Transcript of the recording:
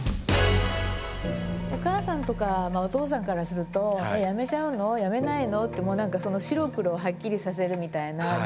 お母さんとかお父さんからするとやめちゃうのやめないのって白黒をはっきりさせるみたいな。